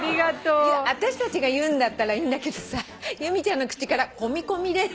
私たちが言うんだったらいいんだけどさ由美ちゃんの口から「込み込みで」